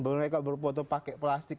mereka berfoto pakai plastik